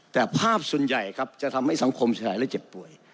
แต่ภาพส่วนใหญ่ครับจะทำให้สังคมฉลายและเจ็บป่วย